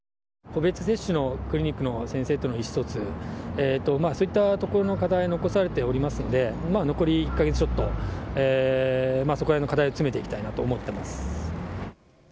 個別接種のクリニックの先生との意思疎通、そういったところの課題を残されておりますので、残り１か月ちょっと、そこらへんの課題を詰めていきたいなと思ってます。